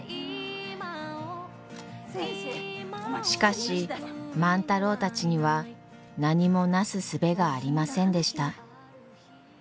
しかし万太郎たちには何もなすすべがありませんでした。